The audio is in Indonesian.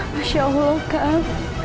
masya allah kak